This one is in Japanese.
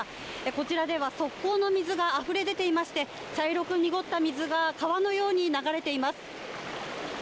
こちらでは、側溝の水があふれ出ていまして、茶色く濁った水が川のように流れています。